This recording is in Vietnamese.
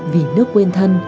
vì nước quên thân